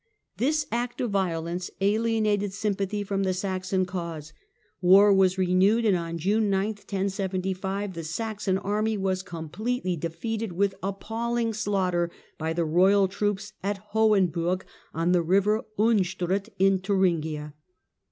This act of violence alienated sympathy from the Saxon cause. War was renewed, and on June 9, 1075, the Saxon army was completely defeated with appalling slaughter by the royal troops at Hohenburg, on the river Battle of Unstrut in Thuringia.